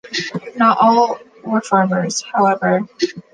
Not all were farmers, however.